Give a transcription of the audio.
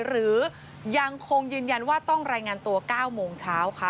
หรือยังคงยืนยันว่าต้องรายงานตัว๙โมงเช้าค่ะ